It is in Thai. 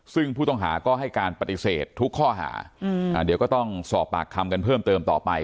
ซึ่งผู้ต้องหาก็ให้การปฏิเสธทุกข้อหาเดี๋ยวก็ต้องสอบปากคำกันเพิ่มเติมต่อไป